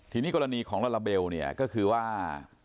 ทีนี้กรณีของลาลาเบลเนี่ยก็คือว่า